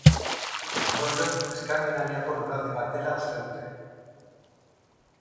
Ondorioz Eskandinaviako lurralde bat dela uste dute.